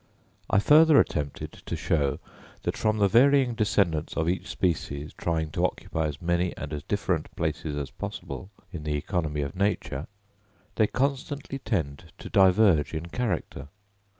I further attempted to show that from the varying descendants of each species trying to occupy as many and as different places as possible in the economy of nature, they constantly tend to diverge in character.